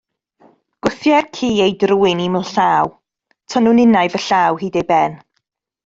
Gwthiai'r ci ei drwyn i'm llaw, tynnwn innau fy llaw hyd ei ben.